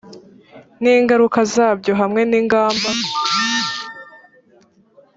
n ingaruka zabyo hamwe n ingamba